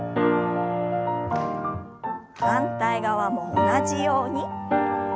反対側も同じように。